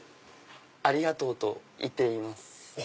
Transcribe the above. ⁉ありがとう！と言っています。